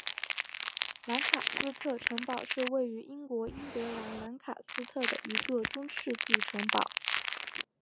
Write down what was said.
兰卡斯特城堡是位于英国英格兰兰卡斯特的一座中世纪城堡。